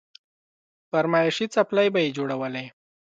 فرمايشي څپلۍ به يې جوړولې.